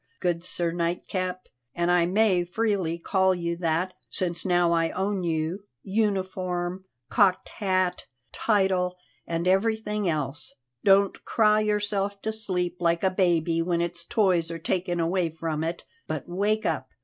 good Sir Nightcap an I may freely call you that since now I own you, uniform, cocked hat, title, and everything else don't cry yourself to sleep like a baby when its toys are taken away from it, but wake up.